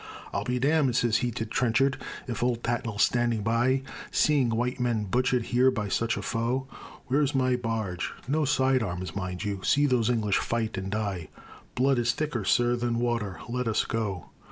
I'll be damned, says he to Trenchard, _if old Tattnall's standing by, Seeing white men butchered here by such a foe. Where's my barge? No side arms, mind you! See those English fight and die Blood is thicker, sir, than water. Let us go.